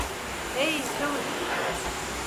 Hey, çavuş.